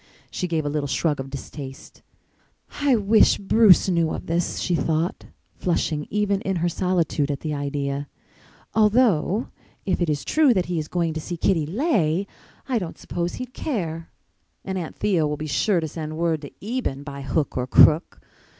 She gave a little shrug of distaste. "I wish Bruce knew of this," she thought, flushing even in her solitude at the idea. "Although if it is true that he is going to see Kitty Leigh I don't suppose he'd care. And Aunt Theo will be sure to send word to Eben by hook or crook.